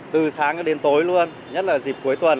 từ sáng cho đến tối luôn nhất là dịp cuối tuần